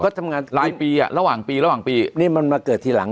ก็ทำงานหลายปีอ่ะระหว่างปีระหว่างปีนี่มันมาเกิดทีหลัง